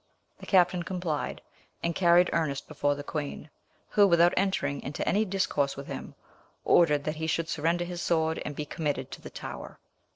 The captain complied, and carried Ernest before the queen, who, without entering into any discourse with him, ordered that he should surrender his sword and be committed to the Tower.